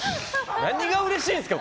何がうれしいんですか！